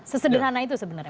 sesederhana itu sebenarnya